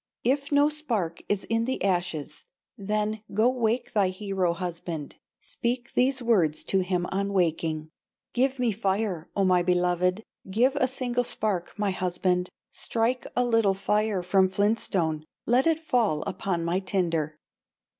If no spark is in the ashes, Then go wake thy hero husband, Speak these words to him on waking: 'Give me fire, O my beloved, Give a single spark, my husband, Strike a little fire from flintstone, Let it fall upon my tinder.